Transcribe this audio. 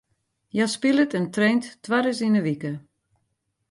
Hja spilet en traint twaris yn de wike.